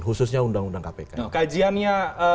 khususnya undang undang kpk kajiannya